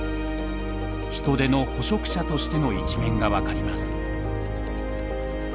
ヒトデの捕食者としての一面が分かります。